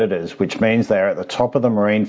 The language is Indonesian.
yang berarti mereka berada di atas jenis makanan marina